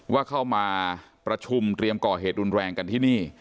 ว่าเข้ามาประชุมเตรียมก่อเหตุรุนแรงกันที่นี่